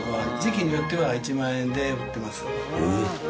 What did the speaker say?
えっ！？